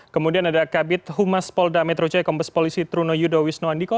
kemudian ada kabit humas polda metro cekompas polisi truno yudowisno andiko